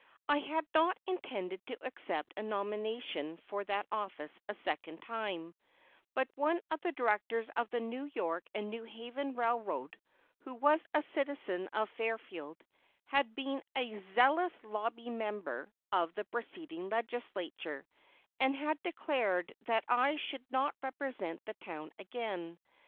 I had not intended to accept a nomination for that office a second time, but one of the directors of the New York and New Haven Railroad, who was a citizen of Fairfield and had been a zealous lobby member of the preceding legislature, had declared that I should not represent the town again.